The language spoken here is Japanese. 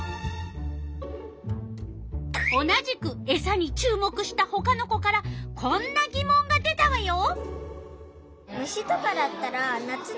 同じくエサに注目したほかの子からこんなぎもんが出たわよ。